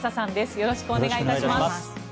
よろしくお願いします。